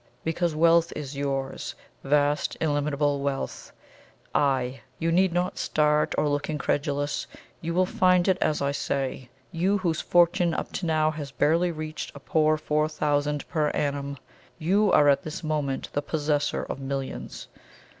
Because wealth is yours vast, illimitable wealth. Aye you need not start or look incredulous you will find it as I say. You, whose fortune up to now has barely reached a poor four thousand per annum you are at this moment the possessor of millions.